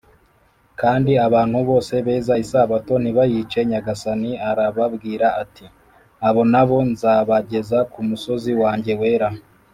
kandi abantu bose “beza isabato ntibayice” nyagasani arababwira ati, “abo na bo nzabageza ku musozi wanjye wera,